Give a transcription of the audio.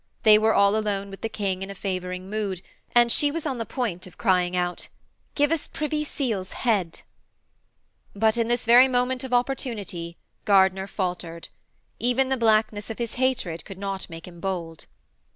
They were all alone with the King in a favouring mood, and she was on the point of crying out: 'Give us Privy Seal's head.' But, in this very moment of his opportunity, Gardiner faltered. Even the blackness of his hatred could not make him bold.